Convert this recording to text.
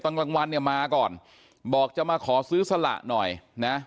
กลางวันเนี่ยมาก่อนบอกจะมาขอซื้อสละหน่อยนะ